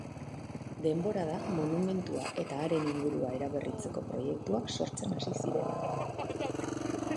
Denbora da monumentua eta haren ingurua eraberritzeko proiektuak sortzen hasi zirela.